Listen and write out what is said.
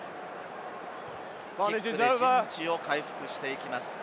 キックで陣地を回復していきます。